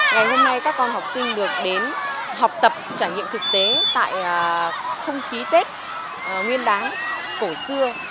ngày hôm nay các con học sinh được đến học tập trải nghiệm thực tế tại không khí tết nguyên đáng cổ xưa